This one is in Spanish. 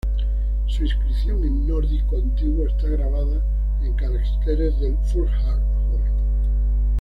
Su inscripción en nórdico antiguo está grabada con caracteres del futhark joven.